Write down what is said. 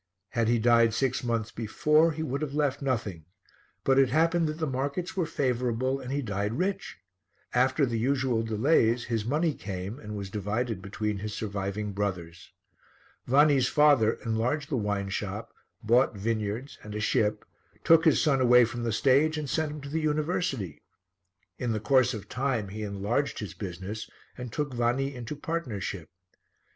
Had he died six months before, he would have left nothing, but it happened that the markets were favourable and he died rich. After the usual delays, his money came and was divided between his surviving brothers. Vanni's father enlarged the wine shop, bought vineyards and a ship, took his son away from the stage and sent him to the University. In course of time he enlarged his business and took Vanni into partnership.